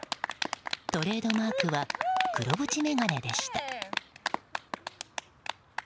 トレードマークは黒縁眼鏡でした。